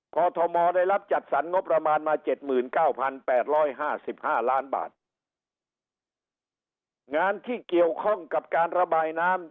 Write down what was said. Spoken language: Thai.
อทมได้รับจัดสรรงบประมาณมาเจ็ดหมื่นเก้าพันแปดร้อยห้าสิบห้าล้านบาทงานที่เกี่ยวข้องกับการระบายน้ำ